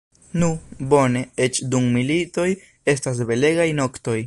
Nu, bone, eĉ dum militoj estas belegaj noktoj.